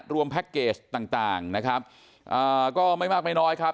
แพ็คเกจต่างนะครับอ่าก็ไม่มากไม่น้อยครับ